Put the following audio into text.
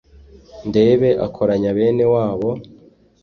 ndebe akoranya bene wabo,